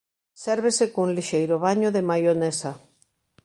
Sérvese cun lixeiro baño de maionesa.